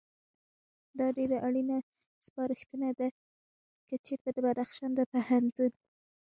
دا ډېره اړینه سپارښتنه ده، که چېرته د بدخشان د پوهنتون